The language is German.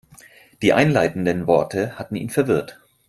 Die einleitenden Worte hatten ihn verwirrt.